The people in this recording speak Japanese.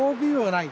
ない。